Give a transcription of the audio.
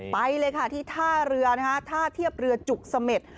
ไปเลยค่ะที่ท่าเรือนะคะท่าเทียบเรือจุกเสม็ด